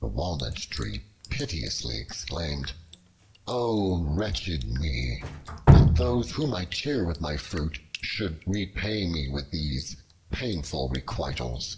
The Walnut Tree piteously exclaimed, "O wretched me! that those whom I cheer with my fruit should repay me with these painful requitals!"